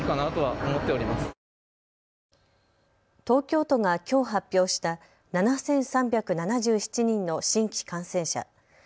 東京都がきょう発表した７３７７人の新規感染者。